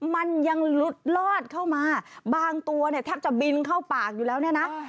มันยังลุดลอดเข้ามาบางตัวเนี่ยแทบจะบินเข้าปากอยู่แล้วเนี่ยนะ